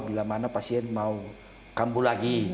bila mana pasien mau kambuh lagi